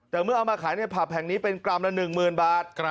แต่เมื่อเอามาขายในผับแห่งนี้เป็นกรัมละ๑๐๐๐บาท